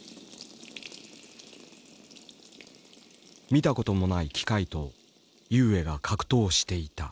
見たこともない機械と井植が格闘していた。